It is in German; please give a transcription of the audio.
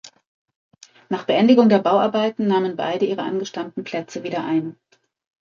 Nach Beendigung der Bauarbeiten nahmen beide ihre angestammten Plätze wieder ein.